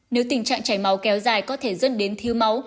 nếu tình trạng chảy máu kéo dài có thể dẫn đến thiếu máu